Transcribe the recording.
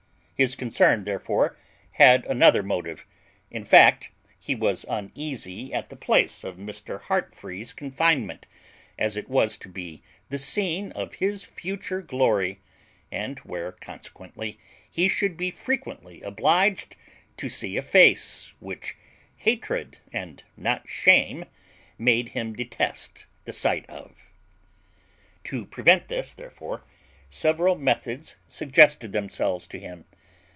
His concern therefore had another motive; in fact, he was uneasy at the place of Mr. Heartfree's confinement, as it was to be the scene of his future glory, and where consequently he should be frequently obliged to see a face which hatred, and not shame, made him detest the sight of. To prevent this, therefore, several methods suggested themselves to him.